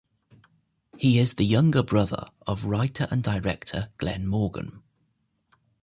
He is the younger brother of writer and director Glen Morgan.